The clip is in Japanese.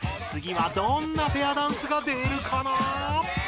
次はどんなペアダンスが出るかな！？